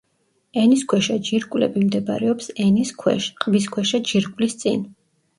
ენისქვეშა ჯირკვლები მდებარეობს ენის ქვეშ, ყბისქვეშა ჯირკვლის წინ.